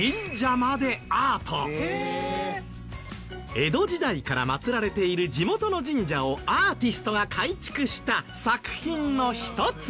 江戸時代から祭られている地元の神社をアーティストが改築した作品の一つ。